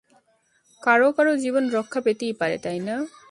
কারোও কারোও জীবন রক্ষা পেতেই পারে, তাই না?